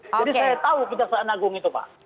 jadi saya tahu kejaksaan agung itu pak